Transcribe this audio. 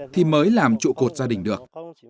thì mới làm trụ cột gia đình được